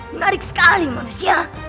menarik sekali manusia